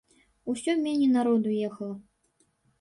Усё меней народу ехала.